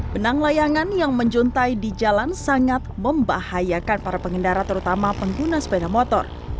benang layangan yang menjuntai di jalan sangat membahayakan para pengendara terutama pengguna sepeda motor